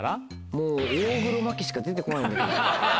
もう大黒摩季しか出て来ないんだけど。